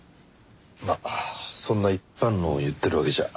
まあそんな一般論を言ってるわけじゃ。